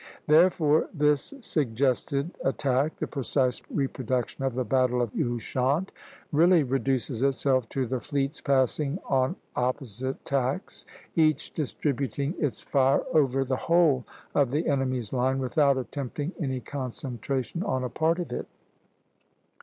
Therefore this suggested attack, the precise reproduction of the battle of Ushant, really reduces itself to the fleets passing on opposite tacks, each distributing its fire over the whole of the enemy's line without attempting any concentration on a part of it.